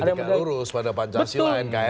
tidak lurus pada pancasila dan nkri